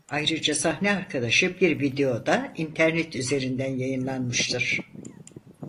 Ayrıca sahne arkadaşı bir video da internet üzerinden yayınlanmıştır.